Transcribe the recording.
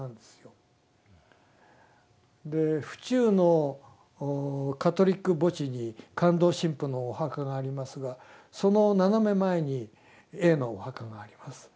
で府中のカトリック墓地にカンドウ神父のお墓がありますがその斜め前にＡのお墓があります。